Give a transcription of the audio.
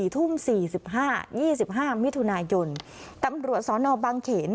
ทุ่ม๔๕๒๕มิถุนายนตำรวจสนบางเขน